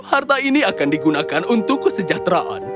harta ini akan digunakan untuk kesejahteraan